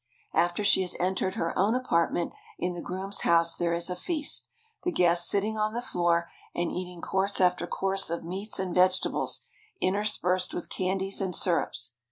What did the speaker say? After she has entered her own apartment in the groom's house there is a feast, the guests sitting on the floor and eating course after course of meats and vegetables inter spersed with candies and sirups.